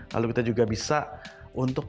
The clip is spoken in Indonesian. lalu kita juga bisa untuk